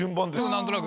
何となく。